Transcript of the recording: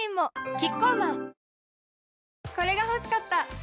キッコーマンこれが欲しかった！